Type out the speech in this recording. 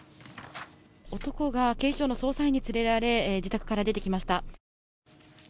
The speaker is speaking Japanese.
男が警視庁の捜査員に連れられ自宅から出てきました。